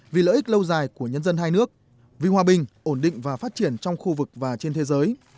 vì lợi ích lâu dài của nhân dân hai nước vì hòa bình ổn định và phát triển trong khu vực và trên thế giới